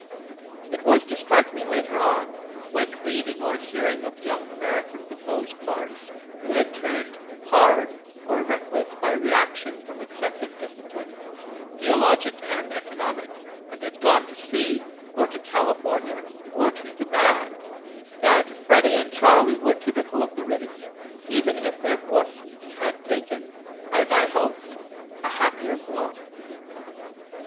It was to strike me later on, when reading or hearing of young Americans of those parts who had turned "hard" or reckless by reaction from excessive discipline, theologic and economic, and had gone to sea or to California or to the "bad," that Freddy and Charley were typical of the race, even if their fortunes had taken, as I hoped, a happier form.